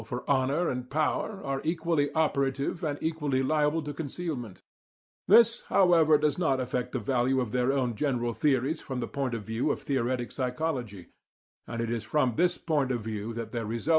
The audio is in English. for honour and power, are equally operative and equally liable to concealment. This, however, does not affect the value of their general theories from the point of view of theoretic psychology, and it is from this point of view that their results are important for the analysis of mind.